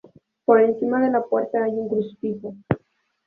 Por encima de la puerta hay un crucifijo.